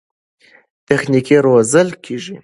تخنیکران روزل کېږي.